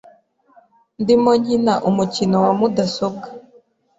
Ndimo nkina umukino wa mudasobwa .